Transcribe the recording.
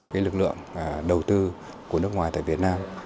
cái lực lượng đầu tư của nước ngoài tại việt nam